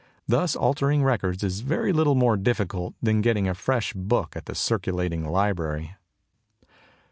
Thus altering records is very little more difficult than getting a fresh book at the circulating library.